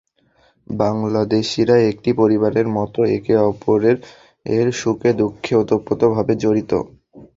বাংলাদেশিরা একটি পরিবারের মতো একে অপরের সুখে দুঃখে ওতপ্রোত ভাবে জড়িত।